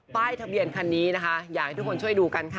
ป้ายทะเบียนคันนี้นะคะอยากให้ทุกคนช่วยดูกันค่ะ